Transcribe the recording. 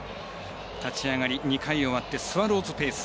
立ち上がり、２回終わってスワローズペース。